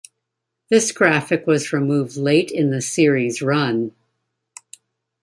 This graphic was removed late in the series's run.